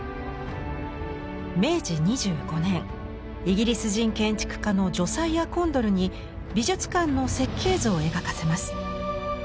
明治２５年イギリス人建築家のジョサイア・コンドルに美術館の設計図を描かせます。